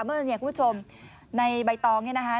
เมื่อเนี่ยคุณผู้ชมในใบตองเนี่ยนะคะ